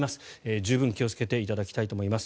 十分気をつけていただきたいと思います。